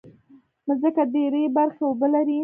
مځکه درې برخې اوبه لري.